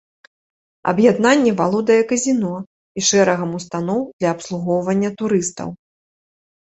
Аб'яднанне валодае казіно і шэрагам устаноў для абслугоўвання турыстаў.